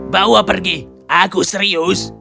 bawa pergi aku serius